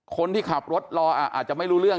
คนที่ขับรถรออาจจะไม่รู้เรื่อง